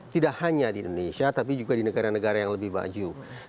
tidak hanya di indonesia tapi juga di negara negara yang lebih maju